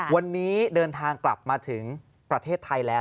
วันนี้เดินทางกลับมาถึงประเทศไทยแล้ว